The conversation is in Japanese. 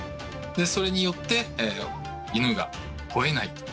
それによって犬がほえないと。